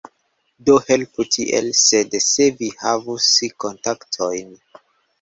Do helpu tiel, sed se vi havus kontaktojn